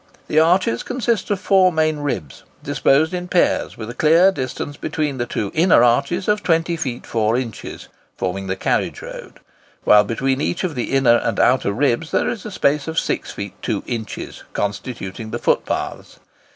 The arches consist of four main ribs, disposed in pairs with a clear distance between the two inner arches of 20 feet 4 inches, forming the carriage road, while between each of the inner and outer ribs there is a space of 6 feet 2 inches, constituting the footpaths.